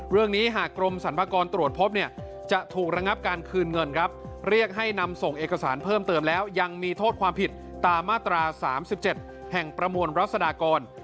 เรื่องนี้หากกรมสรรพากรตรวจพบเนี่ยจะถูกระงับการคืนเงินครับเรียกให้นำส่งเอกสารเพิ่มเติมแล้วยังมีโทษความผิดตามมาตรา๓๗แห่งประมวลรัศดากร